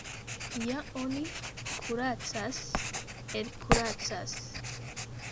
Ja oni kuracas, elkuracas.